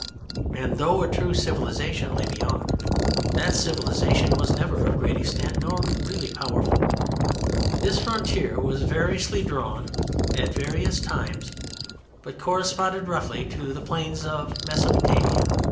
And though a true civilization lay beyond, that civilization was never of great extent nor really powerful. This frontier was variously drawn at various times, but corresponded roughly to the Plains of Mesopotamia.